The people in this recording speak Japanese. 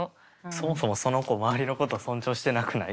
そもそもその子周りのことを尊重してなくない？